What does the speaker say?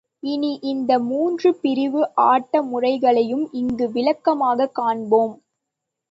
இனி இந்த மூன்று பிரிவு ஆட்ட முறைகளையும் இங்கு விளக்கமாகக் காண்போம்.